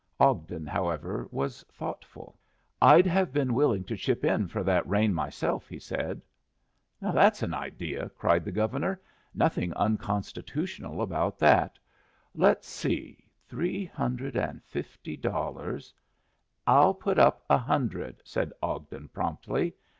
Ogden, however, was thoughtful. "I'd have been willing to chip in for that rain myself," he said. "That's an idea!" cried the Governor. "Nothing unconstitutional about that. Let's see. Three hundred and fifty dollars " "I'll put up a hundred," said Ogden, promptly.